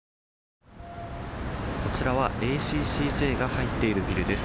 こちらはＡＣＣＪが入っているビルです。